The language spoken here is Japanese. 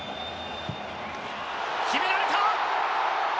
決められた！